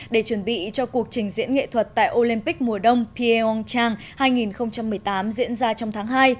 để chuẩn bị cho cuộc trình diễn nghệ thuật tại olympic mùa đông piaong trang hai nghìn một mươi tám diễn ra trong tháng hai